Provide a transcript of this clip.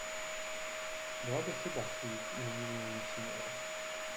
Byla by chyba chtít nyní měnit směr.